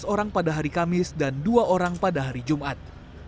dua belas orang pada hari kamis dan dua orang pada hari jumat